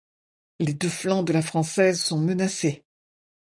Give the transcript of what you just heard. Les deux flancs de la française sont menacés.